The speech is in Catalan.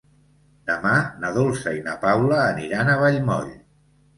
Demà na Dolça i na Paula aniran a Vallmoll.